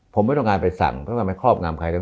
ผมไม่ต้องการไปสั่งไม่ต้องไปครอบงำใครทั้ง